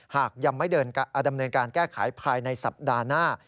หากยังไม่ดำเนินการแก้ไขภายในสัปดาห์หน้า